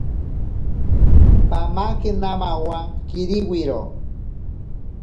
Pamakena mawa kiriwiro.